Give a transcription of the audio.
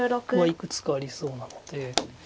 いくつかありそうなので。